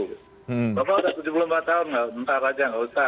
bapak sudah tujuh puluh empat tahun entah saja tidak usah